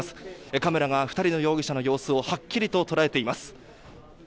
カメラが２人の容疑者の様子をはっきりと捉えています。